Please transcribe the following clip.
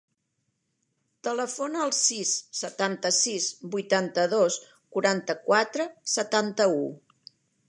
Telefona al sis, setanta-sis, vuitanta-dos, quaranta-quatre, setanta-u.